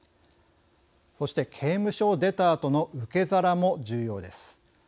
そして、刑務所を出たあとの受け皿も重要です。